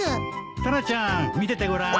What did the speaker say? タラちゃん見ててごらん。